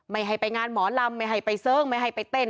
ไม่ให้ไปงานหมอลำไม่ให้ไปเสิร์งไม่ให้ไปเต้น